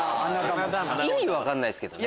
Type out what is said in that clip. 意味分かんないっすけどね。